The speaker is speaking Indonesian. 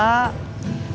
nanti juga bakal biasa